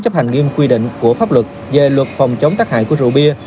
chấp hành nghiêm quy định của pháp luật về luật phòng chống tác hại của rượu bia